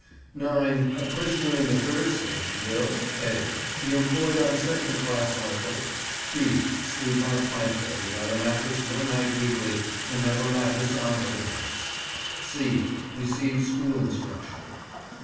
9. A prisoner in the third stage will— (a) Be employed on second class hard labour. (b) Sleep on a plank bed without a mattress one night weekly, and have a mattress on other nights. (c) Receive school instruction.